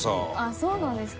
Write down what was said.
そうなんですか？